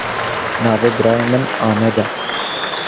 Navê birayê min Amed e.